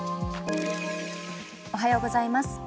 おはようございます。